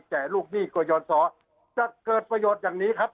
ลูกหนี้ก่อยสอจะเกิดประโยชน์อย่างนี้ครับ